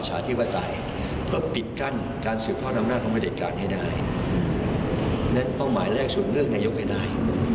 ให้ได้นั้นต้องหมายแลกส่วนเรื่องในยกให้ได้